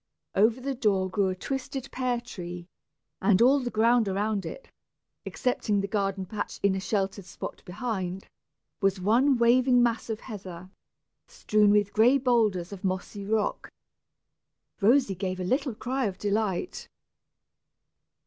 Over the door grew a twisted pear tree, and all the ground around it, excepting the garden patch in a sheltered spot behind, was one waving mass of heather, strewn with gray boulders of mossy rock. Rosy gave a little cry of delight.